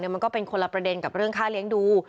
มันก็เป็นคนละประเด็นกับเรื่องค่าเลี้ยงดู